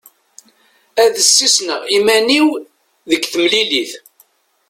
Ad d-ssisneɣ iman-iw deg temlilit.